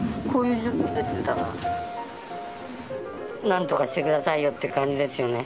なんとかしてくださいよっていう感じですよね。